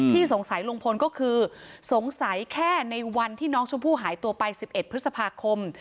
สงสัยลุงพลก็คือสงสัยแค่ในวันที่น้องชมพู่หายตัวไป๑๑พฤษภาคม